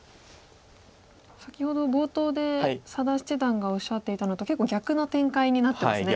先ほど冒頭で佐田七段がおっしゃっていたのと結構逆な展開になってますね。